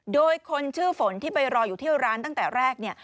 โดยคนชื่อฝนที่ไปรออยู่ที่ร้านตั้งแต่แรกเนี่ย